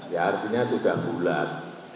ya artinya sudah bulat